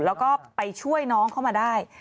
แล้วก็ไปช่วยน้องเข้ามาได้